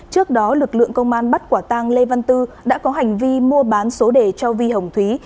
trước đó lực lượng công an bắt quả tang lê văn tư đã có hành vi mua bán số đề cho vi hồng thúy